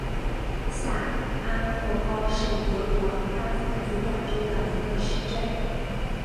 下阿默高是德国巴伐利亚州的一个市镇。